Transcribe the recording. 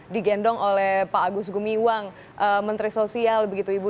digendong oleh pak agus gumiwang menteri sosial begitu ibu